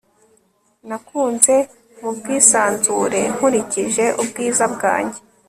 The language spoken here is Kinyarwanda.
Nakunze mubwisanzure nkurikije ubwiza bwanjye